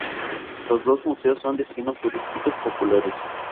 Los dos museos son destinos turísticos populares.